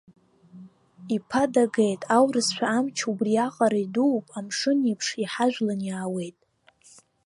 Иԥа дагеит, аурысшәа амч убриаҟара идууп, амшын еиԥш иҳажәлан иаауеит.